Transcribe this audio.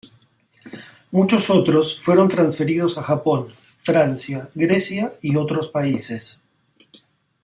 Muchos otros fueron transferidos a Japón, Francia, Grecia y otros países.